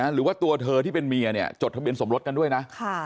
หรือว่าตัวเธอที่เป็นเมียเนี่ยจดทะเบียนสมรสกันด้วยนะ